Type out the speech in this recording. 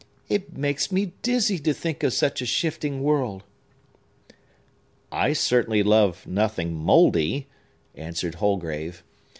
"It makes me dizzy to think of such a shifting world!" "I certainly love nothing mouldy," answered Holgrave.